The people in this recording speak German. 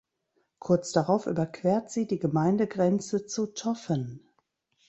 Kurz darauf überquert sie die Gemeindegrenze zu Toffen.